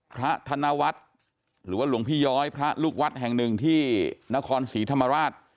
ธนวัฒน์หรือว่าหลวงพี่ย้อยพระลูกวัดแห่งหนึ่งที่นครศรีธรรมราช